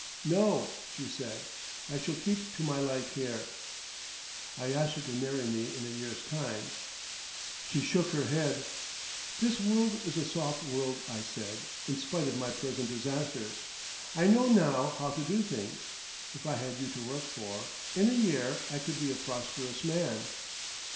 "No," she said, "I shall keep to my life here." I asked her to marry me in a year's time. She shook her head. "This world is a soft world," I said, "in spite of my present disasters. I know now how to do things. If I had you to work for—in a year I could be a prosperous man."